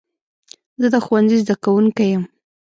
زه د ښوونځي زده کوونکی یم.